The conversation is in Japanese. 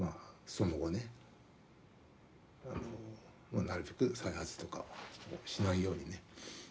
その後ねなるべく再発とかしないようにね